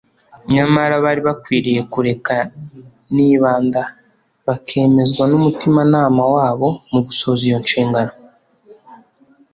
nyamara bari bakwiriye kureka nibanda bakemezwa n'umutimanama wabo mu gusohoza iyo nshingano.